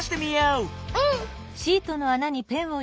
うん。